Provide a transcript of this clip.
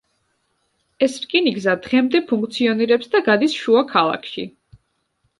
ეს რკინიგზა დღემდე ფუნქციონირებს და გადის შუა ქალაქში.